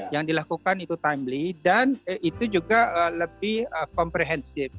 yang dilakukan itu timlly dan itu juga lebih komprehensif